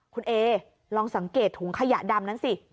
คุณเอลองสังเกตถุงขยะดำนั้นสิ